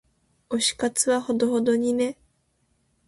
推し活はほどほどにね。